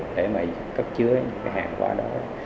để cấp chứa hàng quá đó